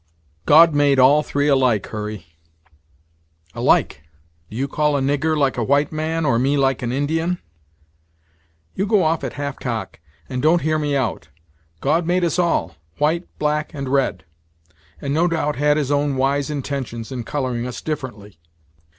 "God made all three alike, Hurry." "Alike! Do you call a nigger like a white man, or me like an Indian?" "You go off at half cock, and don't hear me out. God made us all, white, black, and red; and, no doubt, had his own wise intentions in coloring us differently.